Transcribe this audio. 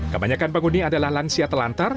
kebanyakan penghuni adalah lansia telantar